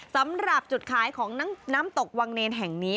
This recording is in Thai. สำหรับจุดขายของน้ำตกวังเนรแห่งนี้